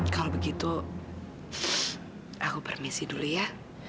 kalau begitu aku permisi dulu ya